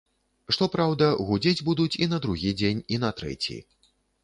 Што праўда, гудзець будуць і на другі дзень, і на трэці.